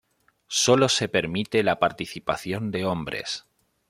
Solo se permite la participación de hombres.